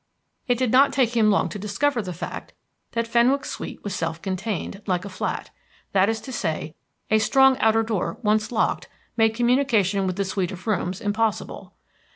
It did not take him long to discover the fact that Fenwick's suite was self contained, like a flat. That is to say, a strong outer door once locked made communication with the suite of rooms impossible.